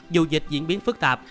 dù dịch diễn biến phức tạp